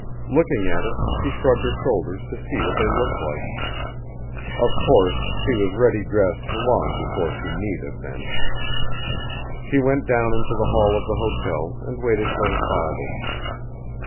Looking at it she shrugged her shoulders to see what they looked like. Of course she was ready dressed long before she need have been. She went down into the hall of the hotel and waited for her father.